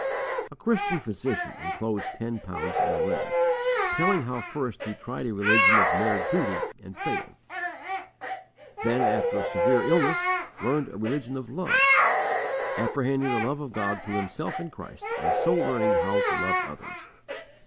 A Christian physician enclosed ten pounds in a letter, telling how first he tried a religion of mere duty and failed; then, after a severe illness, learned a religion of love, apprehending the love of God to himself in Christ and so learning how to love others.